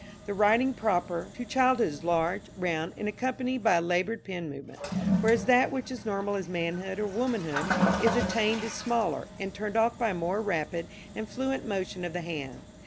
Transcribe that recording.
"The writing proper to childhood is large, round and accompanied by a laboured pen movement; whereas that which is normal as manhood or womanhood is attained is smaller, and turned off by a more rapid and fluent motion of the hand.